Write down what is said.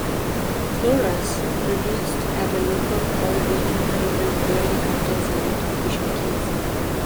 Floras produced at a local or regional level rarely contain identification keys.